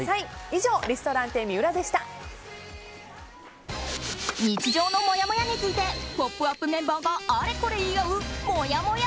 以上日常のもやもやについて「ポップＵＰ！」メンバーがあれこれ言い合うもやもや